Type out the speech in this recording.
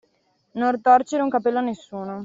Non torcere [nemmeno] un capello a nessuno.